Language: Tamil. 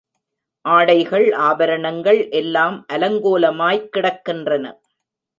ஆடைகள் ஆபரணங்கள் எல்லாம் அலங்கோலமாய்க் கிடக்கின்றன.